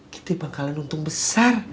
kita bakalan untung besar